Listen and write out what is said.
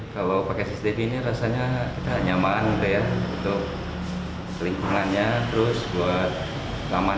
kalau pakai cctv ini rasanya nyaman